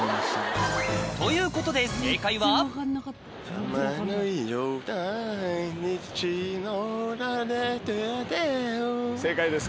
ということで正解です